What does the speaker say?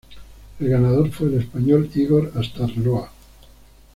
El ganador fue el español Igor Astarloa.